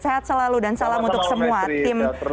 sehat selalu dan salam untuk semua tim